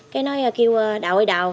cái nói kêu đào ơi đào